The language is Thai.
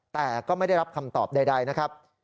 แต่ก็ไม่ได้รับคำตอบใดนะครับ